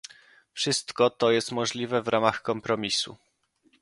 Wszystko to jest możliwe w ramach kompromisu